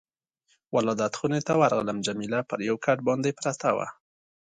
ولادت خونې ته ورغلم، جميله پر یو کټ باندې پرته وه.